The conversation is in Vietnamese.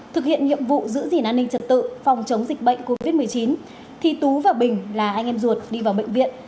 thực hiện nhiệm vụ giữ gìn an ninh trật tự phòng chống dịch bệnh covid một mươi chín thì tú và bình là anh em ruột đi vào bệnh viện